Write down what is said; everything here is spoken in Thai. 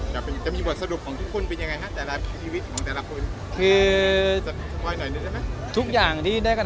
จะมีบทสะดวกของทุกคนเป็นยังไงครับ